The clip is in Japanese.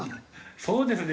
そうですね。